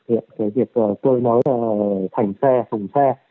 hiện cái việc cơ nối thành xe thùng xe